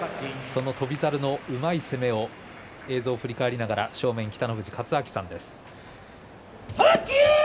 その翔猿のうまい攻めを映像を振り返りながら正面、北の富士勝昭さんです。